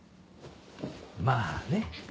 まあね。